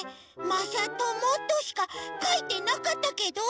まさとも」としかかいてなかったけど？